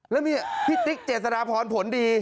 แล้วมีพี่ติ๊กเจษฎาพรผลดี